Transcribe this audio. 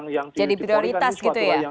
jadi prioritas gitu ya